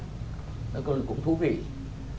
nó cũng thú vị